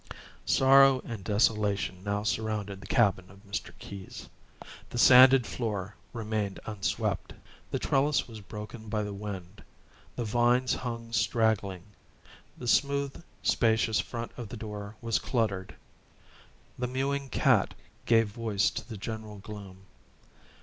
Sorrow and desolation now surrounded the cabin of Mr. Keyes. The sanded floor remained unswept; the trellis was broken by the wind; the vines hung straggling; the smooth, spacious front of the door was cluttered; the mewing cat gave voice to the general gloom.